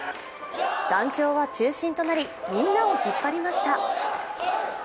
団長は中心となり、みんなを引っ張りました。